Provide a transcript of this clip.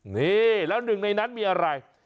นี่แล้วหนึ่งในนั้นมีอะไร